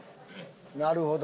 なるほど。